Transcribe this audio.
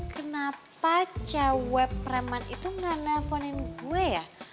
kenapa cewek preman itu gak nelfonin gue ya